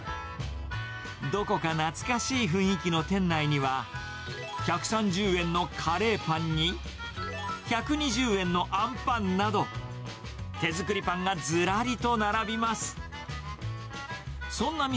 どこか懐かしい雰囲気の店内には、１３０円のカレーパンに、１２０円のあんぱんなど、手作りパンがずらりと並びます。